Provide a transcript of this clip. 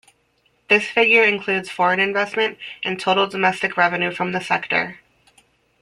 This figure includes foreign investment and total domestic revenue from the sector.